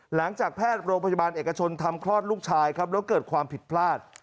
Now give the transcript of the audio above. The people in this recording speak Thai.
หลังจากแพทย์โรงพยาบาลเอกชนทำคลอดลูกชายครับแล้วเกิดความผิดพลาด